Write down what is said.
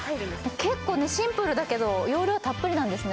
結構シンプルだけど、容量たっぷりなんですね。